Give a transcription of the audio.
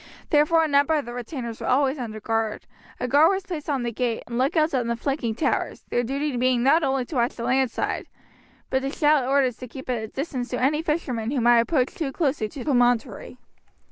Therefore a number of the retainers were always under arms, a guard was placed on the gate, and lookouts on the flanking towers their duty being not only to watch the land side, but to shout orders to keep at a distance to any fisherman who might approach too closely to the promontory.